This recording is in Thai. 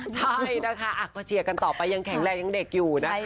ใช่นะคะก็เชียร์กันต่อไปยังแข็งแรงยังเด็กอยู่นะคะ